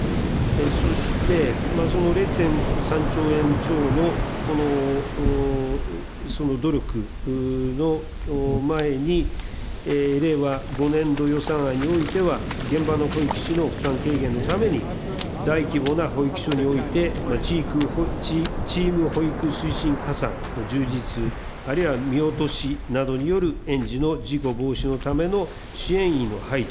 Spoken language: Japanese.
そして、０．３兆円超のこの努力の前に、令和５年度予算案においては、現場の保育士の負担軽減のために、大規模な保育所において、チーム保育推進加算の充実、あるいは見落としなどによる園児の事故防止のための支援員の配置。